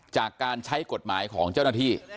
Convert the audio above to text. จากการใช้กฎหมายของเจ้าหน้าที่